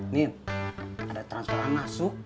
nin ada transferan masuk